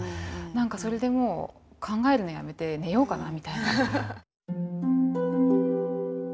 何かそれでもう考えるのやめて寝ようかなみたいな。